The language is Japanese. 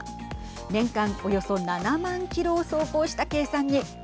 年間およそ７万キロを走行した計算に。